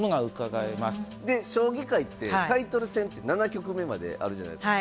で将棋界ってタイトル戦って７局目まであるじゃないですか。